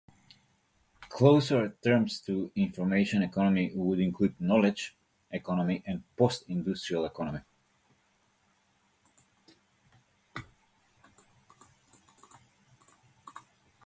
Closer terms to information economy would include knowledge economy and post-industrial economy.